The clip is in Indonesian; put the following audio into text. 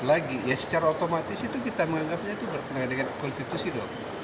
lagi ya secara otomatis itu kita menganggapnya itu bertentangan dengan konstitusi dong